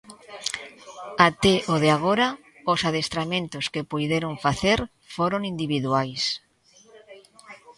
Até o de agora os adestramentos que puideron facer foron individuais.